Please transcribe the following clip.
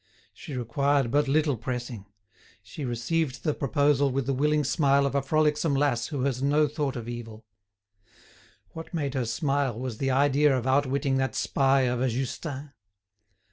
She required but little pressing; she received the proposal with the willing smile of a frolicsome lass who has no thought of evil. What made her smile was the idea of outwitting that spy of a Justin.